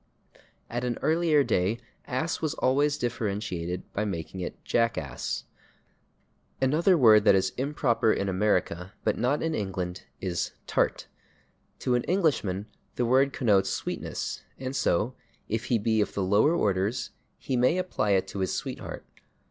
At an earlier day /ass/ was always differentiated by making it /jackass/. Another word that is improper in America but not in England is /tart/. To an Englishman the word connotes sweetness, and so, if he be of the lower orders, he may apply [Pg130] it to his sweetheart.